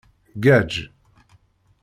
Ggaǧ.